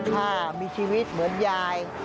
ถ้ามีชีวิตเหมือนยาย